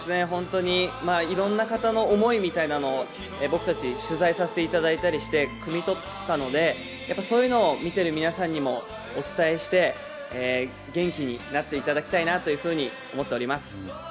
いろんな方の思いみたいなものを僕たち取材させていただいたりして、くみ取ったのでそういうのを見ている皆さんにもお伝えして、元気になっていただきたいなと思っております。